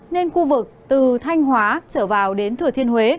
nên khu vực từ thanh hóa trở vào đến thừa thiên huế